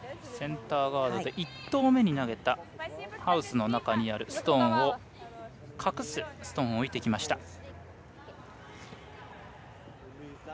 センターガードで１投目に投げたハウスの中にあるストーンを隠すストーンを置いてきました。